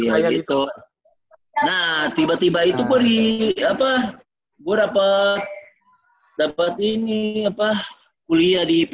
ya gitu nah tiba tiba itu gue di apa gue dapat dapat ini apa kuliah di ipb